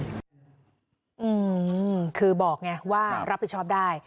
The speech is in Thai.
อืมคือบอกไงว่ารับผิดชอบได้